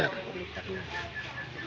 beras gimana bu